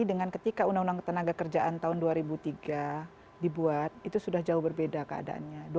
dengan ketika uu ketenagakerjaan tahun dua ribu tiga dibuat itu sudah jauh berbeda keadaannya